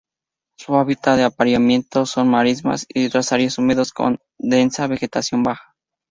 Su hábitat de apareamiento son marismas y otras áreas húmedas con densa vegetación baja.